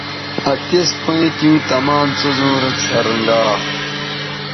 آ تِسوں پیئں تیوں تمام څیزوں رے څھنرگا